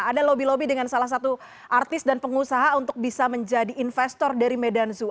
ada lobby lobby dengan salah satu artis dan pengusaha untuk bisa menjadi investor dari medan zoo